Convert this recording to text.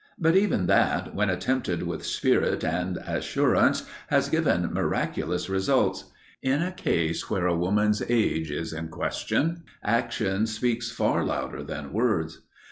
But even that, when attempted with spirit and assurance, has given miraculous results. In a case where a woman's age is in question, action speaks far louder than words.